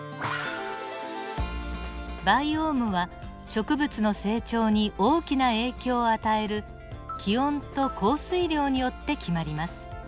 バイオームは植物の成長に大きな影響を与える気温と降水量によって決まります。